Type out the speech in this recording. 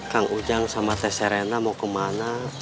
kang ujang sama teh serena mau kemana